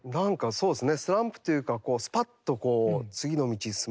そうですね。